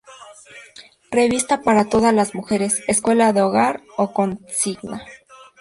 Revista para todas las mujeres"; "Escuela de Hogar"; o "Consigna.